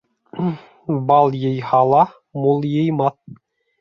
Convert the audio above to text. Бал йыйһа ла мул йыймаҫ.